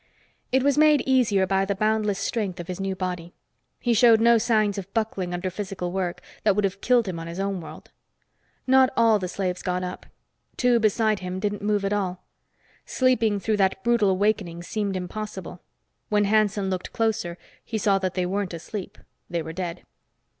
It was made easier by the boundless strength of his new body. He showed no signs of buckling under physical work that would have killed him on his own world. Not all the slaves got up. Two beside him didn't move at all. Sleeping through that brutal awakening seemed impossible. When Hanson looked closer, he saw that they weren't asleep; they were dead.